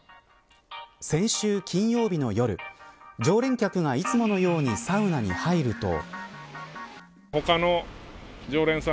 先週金曜日の夜常連客がいつものようにサウナに入ると。